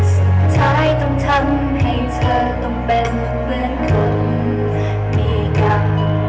สุดท้ายต้องทำให้เธอต้องเป็นเหมือนคนดีกัน